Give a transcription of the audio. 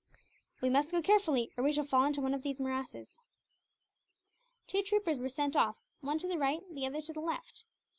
"We must go carefully, or we shall fall in one of these morasses." Two troopers were sent off, one to the right, the other to the left.